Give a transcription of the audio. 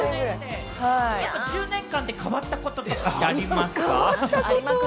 １０年間で変わったことってありますか？